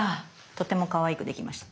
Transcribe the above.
とてもかわいくできました。